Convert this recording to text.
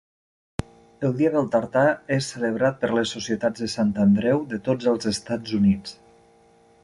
El Dia del Tartà és celebrat per les societats de Sant Andreu de tots els Estats Units.